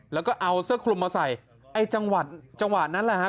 แล้วก็เอาเสื้อคลุมมาใส่ไอ้จังหวะจังหวะนั้นแหละฮะ